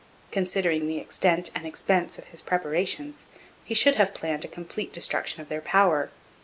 Considering the extent and expense of his preparations, he should have planned a complete destruction of their power.